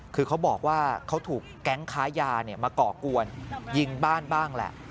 คือเขาบอกว่าเขาถูกแก๊งค้ายามาก่อกวนยิงบ้านบ้างแหละ